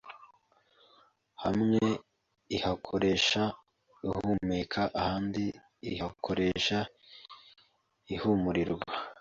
Hamwe ihakoresha ihumeka ahandi ikahakoresha ihumurirwa